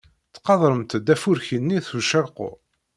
Tqeddremt-d afurk-nni s ucaqur.